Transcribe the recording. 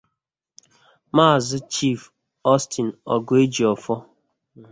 Maazị Chief Austine Oguejiofor